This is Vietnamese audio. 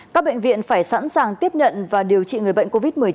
các bệnh viện phải sẵn sàng tiếp nhận và điều trị người bệnh covid một mươi chín